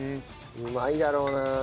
うまいだろうなあ。